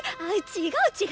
違う違う。